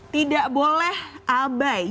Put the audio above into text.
tidak boleh abai